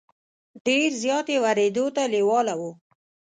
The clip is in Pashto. ډېر زیات یې ورېدو ته لېواله وو.